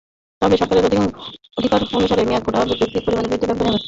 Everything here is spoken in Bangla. তবে সরকারের অঙ্গীকার অনুসারে মেধা কোটা যৌক্তিক পরিমাণে বৃদ্ধির ব্যবস্থা নেওয়া যায়।